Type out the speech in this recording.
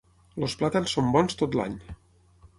Els plàtans són bons tot l'any.